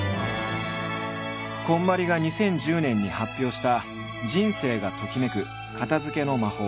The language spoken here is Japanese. こんまりが２０１０年に発表した「人生がときめく片づけの魔法」。